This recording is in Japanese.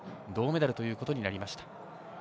銅メダルということになりました。